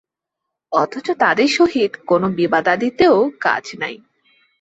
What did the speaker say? অথচ তাদের সহিত কোন বিবাদাদিতেও কাজ নাই।